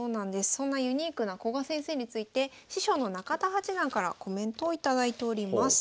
そんなユニークな古賀先生について師匠の中田八段からコメントを頂いております。